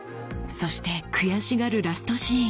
そして悔しがるラストシーン。